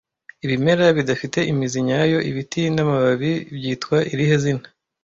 Ibimera bidafite imizi nyayo, ibiti n'amababi byitwa irihe zina